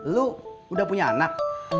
lu udah punya anak